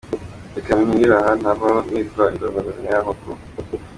Reka mpinire aha ntavaho nitwa indondogozi nka ya nkoko.